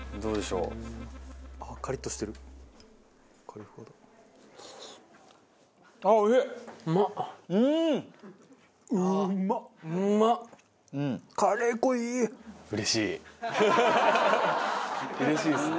うれしいですね。